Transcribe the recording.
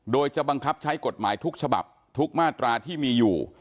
โดยจะบังคับใช้กฎหมายทุกฉบับทุกมาตราที่มีอยู่